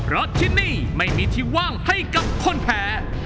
เพราะที่นี่ไม่มีที่ว่างให้กับคนแพ้